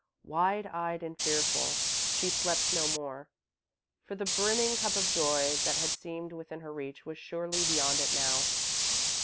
Wide eyed and fearful, she slept no more, for the brimming Cup of Joy, that had seemed within her reach, was surely beyond it now.